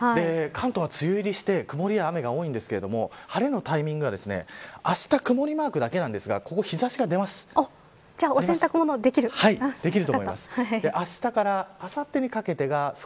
関東は梅雨入りして曇りや雨が多いですが晴れのタイミングがあした曇りマークだけなんですがじゃあ、お洗濯物ができる。